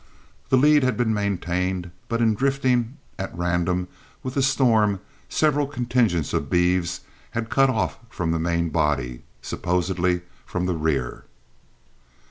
The lead had been maintained, but in drifting at random with the storm several contingents of beeves had cut off from the main body, supposedly from the rear.